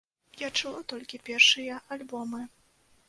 Я чула толькі першыя альбомы.